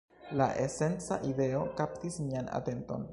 La esenca ideo kaptis mian atenton